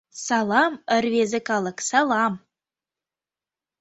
Салам, рвезе калык, салам.